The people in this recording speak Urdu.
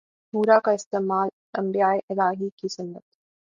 نورہ کا استعمال انبیائے الہی کی سنت